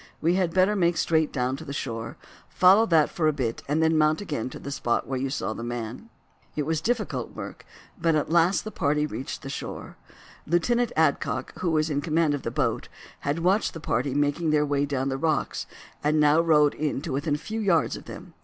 "We had better make straight down to the shore, follow that for a bit, and then mount again to the spot where you saw the man." It was difficult work, but at last the party reached the shore. Lieutenant Adcock, who was in command of the boat, had watched the party making their way down the rocks, and now rowed in to within a few yards of them.